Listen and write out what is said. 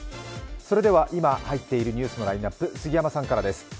それでは今入っているニュースのラインナップ、杉山さんからです。